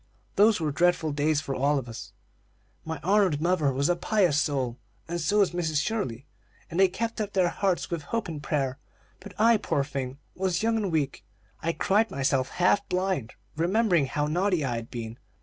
Those were dreadful days for all of us. My honored mother was a pious soul, and so was Mrs. Shirley; and they kept up their hearts with hope and prayer; but I, poor thing, was young and weak, and I cried myself half blind, remembering how naughty I had been.